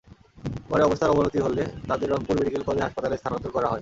পরে অবস্থার অবনতি হলে তাঁদের রংপুর মেডিকেল কলেজ হাসপাতালে স্থানান্তর করা হয়।